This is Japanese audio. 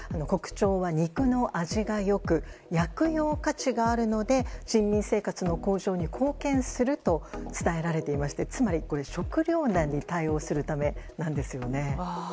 コクチョウは肉の味が良く薬用価値があるので人民生活の向上に貢献すると伝えられていましてつまり、食糧難に対応するためなんですよね。